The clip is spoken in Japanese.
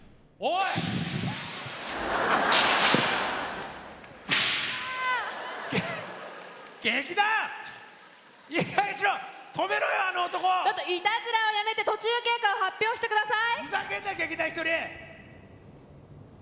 いたずらはやめて途中経過を発表してください！